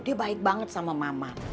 dia baik banget sama mama